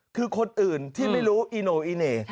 คือคนอื่นที่ไม่รู้อีโน่อีเหน่